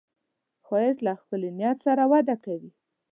ښایست له ښکلي نیت سره وده کوي